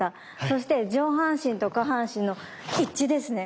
そして上半身と下半身の一致ですね。